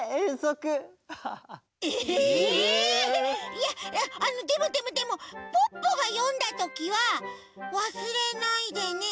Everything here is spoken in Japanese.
いやいやでもでもでもポッポがよんだときは「わすれないでね。